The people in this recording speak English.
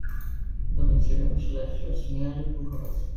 The incident lasted nearly two hours.